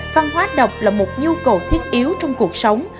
văn hóa đọc là một nhu cầu thiết yếu trong cuộc sống